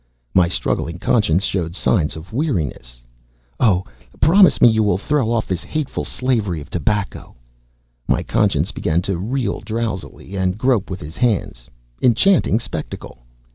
My struggling Conscience showed sudden signs of weariness! "Oh, promise me you will throw off this hateful slavery of tobacco!" My Conscience began to reel drowsily, and grope with his hands enchanting spectacle!